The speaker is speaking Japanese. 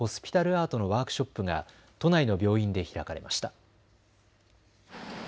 アートのワークショップが都内の病院で開かれました。